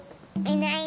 いない。